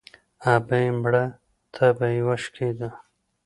ـ ابۍ مړه تبه يې وشکېده.